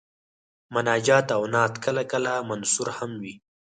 مناجات او نعت کله کله منثور هم وي.